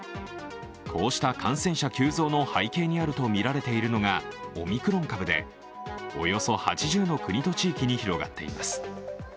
こうした感染者急増の背景にあるとみられているのがオミクロン株でおよそ８０の国と地域に広がっています。